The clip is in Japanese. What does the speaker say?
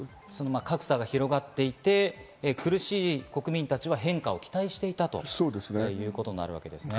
格差が広がっていって、苦しい国民たちは変化を期待していたということになるわけですね。